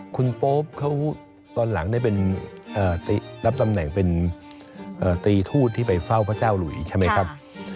คุณโป๊ปเขาตอนหลังได้รับตำแหน่งเป็นตรีทูตที่ไปเฝ้าพระเจ้าหลุยใช่ไหมครับ